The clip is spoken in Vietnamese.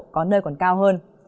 có nơi còn cao hơn